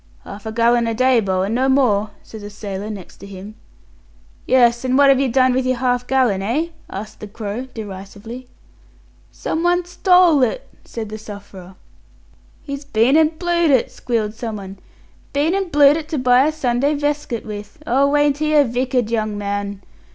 "Half a gallon a day, bo', and no more," says a sailor next him. "Yes, what have yer done with yer half gallon, eh?" asked the Crow derisively. "Someone stole it," said the sufferer. "He's been an' blued it," squealed someone. "Been an' blued it to buy a Sunday veskit with! Oh, ain't he a vicked young man?"